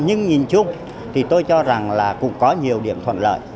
nhưng nhìn chung tôi cũng cho rằng là cũng có nhiều điểm thuận lợi